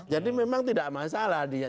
jadi memang tidak masalah dia